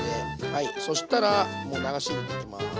そしたらもう流し入れていきます。